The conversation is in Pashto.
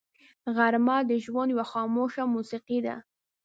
غرمه د ژوند یوه خاموش موسیقي ده